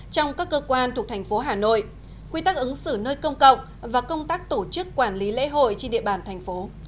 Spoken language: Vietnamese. trong các cơ quan thuộc thành phố hà nội quy tắc ứng xử nơi công cộng và công tác tổ chức quản lý lễ hội trên địa bàn thành phố